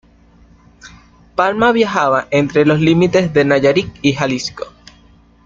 Palma viajaba entre los límites de Nayarit y Jalisco.